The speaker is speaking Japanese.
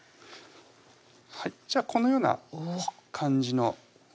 じゃあこのような感じの生地です